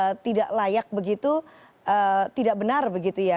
yang tidak layak begitu tidak benar begitu ya